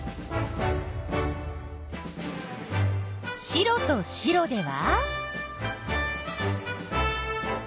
白と白では？